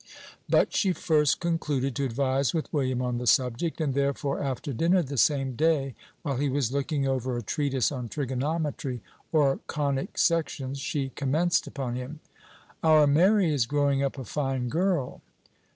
But she first concluded to advise with William on the subject; and, therefore, after dinner the same day, while he was looking over a treatise on trigonometry or conic sections, she commenced upon him: "Our Mary is growing up a fine girl."